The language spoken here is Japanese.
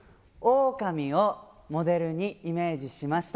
オオカミをモデルにイメージしました。